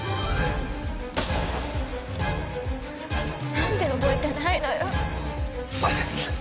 なんで覚えてないのよ。